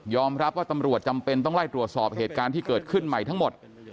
รับว่าตำรวจจำเป็นต้องไล่ตรวจสอบเหตุการณ์ที่เกิดขึ้นใหม่ทั้งหมด